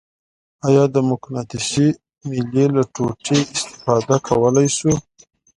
آیا د مقناطیسي میلې له ټوټې استفاده کولی شو؟